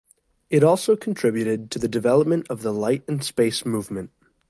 It also contributed to the development of the Light and Space movement.